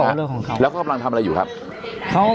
เขาบอกเรื่องของเขาแล้วเขาพร้อมทำอะไรอยู่ครับเขา